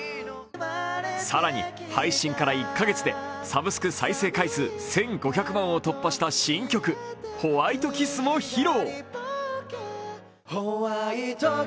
更に、配信から１カ月でサブスク再生回数１５００万を突破した新曲「ホワイトキス」も披露。